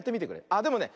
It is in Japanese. あでもね